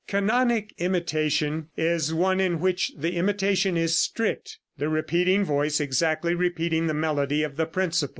Canonic imitation is one in which the imitation is strict, the repeating voice exactly repeating the melody of the principal.